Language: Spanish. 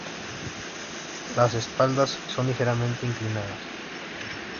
Las espaldas son ligeramente inclinadas